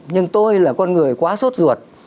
nhưng tôi là con người quá sốt ruột